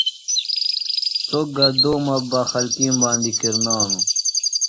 سوۡ گہ دومہ بہ خلکِیم باندیۡ کِرنانوۡ۔